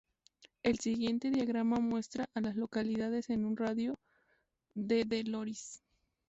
El siguiente diagrama muestra a las localidades en un radio de de Loris.